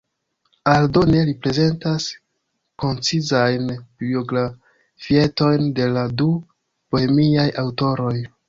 Aldone, li prezentas koncizajn biografietojn de la du bohemiaj aŭtoroj.